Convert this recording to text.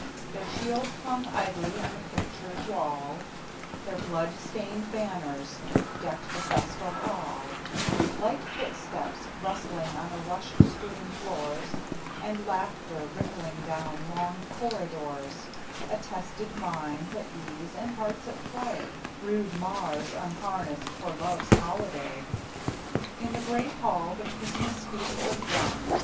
Their shields hung idly on the pictured wall; Their blood stained banners decked the festal hall Light footsteps, rustling on the rush strewn floors, And laughter, rippling down long corridors, Attested minds at ease and hearts at play, Rude Mars unharnessed for love's holiday. In the great hall the Christmas feast was done.